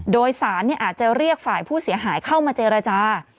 โดยสารอาจจะเรียกฝ่ายผู้เสียหายเข้ามาเจรจา